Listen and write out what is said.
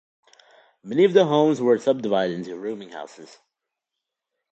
Many of the homes were subdivided into rooming houses.